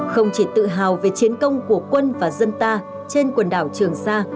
không chỉ tự hào về chiến công của quân và dân ta trên quần đảo trường sa